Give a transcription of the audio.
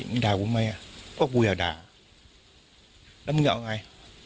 มึงด่ากูใหม่อ่ะก็ว่ากูอยากด่าแล้วมึงต้องอะไร